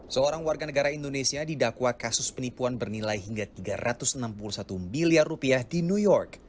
seorang warga negara indonesia didakwa kasus penipuan bernilai hingga tiga ratus enam puluh satu miliar di new york